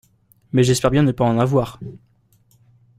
Mais j’espère bien ne pas en avoir !